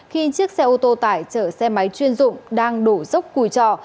khi chiếc xe ô tô tải chở xe máy chuyên dụng đang đổ dốc cùi trọ